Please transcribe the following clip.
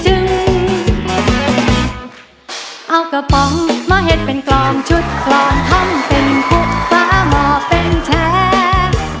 เอากระป๋องเมาเห็ดเป็นกรองชุดกรอนท่ำเป็นกุฟาหมอเป็นแท๊ก